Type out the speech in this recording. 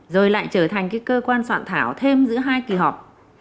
rồi lại trở thành cái cơ quan soạn thảo thêm giữa hai kỳ họp